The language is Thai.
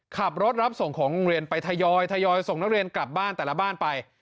ขับรถรับส่งของโรงเรียนไปทยอยทยอยส่งนักเรียนกลับบ้านแต่ละบ้านไป